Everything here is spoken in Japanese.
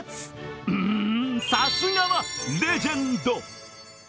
うん、さすがはレジェンド。